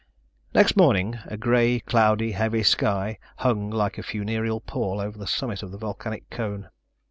Next morning, a grey, cloudy, heavy sky hung like a funereal pall over the summit of the volcanic cone.